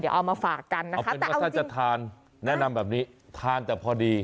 เดี๋ยวเอามาฝากกันนะคะเอาเป็นว่าถ้าจะทานแนะนำแบบนี้ทานแต่พอดี